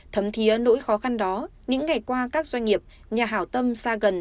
thấm thiế nỗi khó khăn đó những ngày qua các doanh nghiệp nhà hảo tâm xa gần